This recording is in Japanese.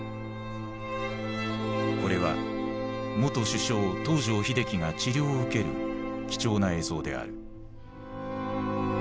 これは元首相東条英機が治療を受ける貴重な映像である。